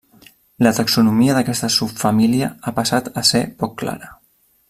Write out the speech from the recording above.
La taxonomia d'aquesta subfamília ha passat a ser poc clara.